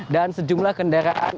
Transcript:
dan sejumlah kendaraan